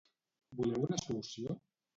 Voleu una solució?